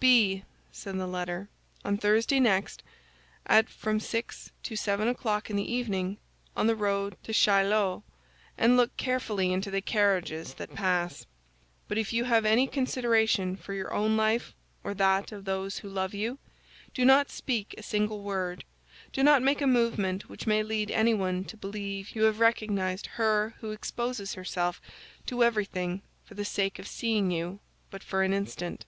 "Be," said the letter, "on Thursday next, at from six to seven o'clock in the evening, on the road to Chaillot, and look carefully into the carriages that pass; but if you have any consideration for your own life or that of those who love you, do not speak a single word, do not make a movement which may lead anyone to believe you have recognized her who exposes herself to everything for the sake of seeing you but for an instant."